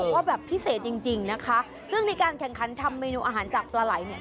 ว่าแบบพิเศษจริงจริงนะคะซึ่งในการแข่งขันทำเมนูอาหารจากปลาไหล่เนี่ย